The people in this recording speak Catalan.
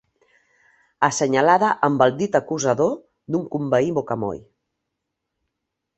Assenyalada amb el dit acusador d'un conveí bocamoll.